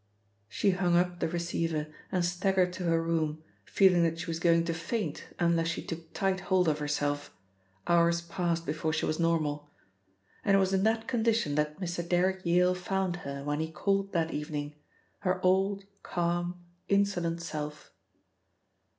She hung up the receiver, and staggered to her room, feeling that she was going to faint unless she took tight hold of herself; hours passed before she was normal. And it was in that condition that Mr. Derrick Yale found her when he called that evening her old calm, insolent self.